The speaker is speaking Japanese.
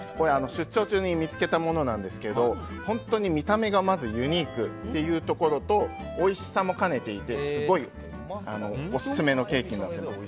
出張中に見つけたものなんですけど本当に見た目がユニークというところとおいしさも兼ねていてすごいオススメのケーキになっています。